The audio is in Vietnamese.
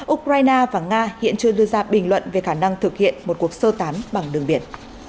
ukraine và nga hiện chưa đưa ra bình luận về khả năng thực hiện một cuộc sơ tán bằng đường biển